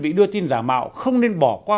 bị đưa tin giả mạo không nên bỏ qua